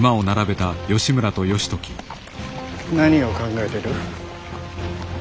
何を考えてる。